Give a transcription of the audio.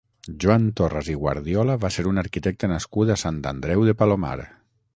Joan Torras i Guardiola va ser un arquitecte nascut a Sant Andreu de Palomar.